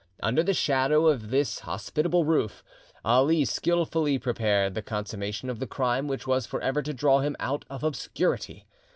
Under the shadow of this hospitable roof, Ali skilfully prepared the consummation of the crime which was for ever to draw him out of obscurity.